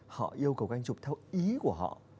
họ yêu cầu các anh chụp theo ý của họ